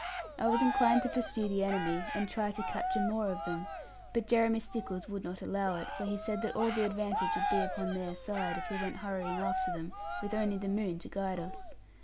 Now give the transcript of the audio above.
I was inclined to pursue the enemy and try to capture more of them; but Jeremy Stickles would not allow it, for he said that all the advantage would be upon their side, if we went hurrying after them, with only the moon to guide us.